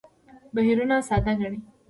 بهیرونه ساده ګڼي.